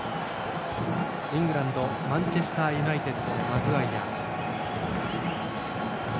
イングランドマンチェスターユナイテッドのマグワイア。